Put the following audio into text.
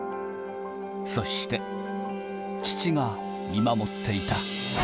そして、父が見守っていた。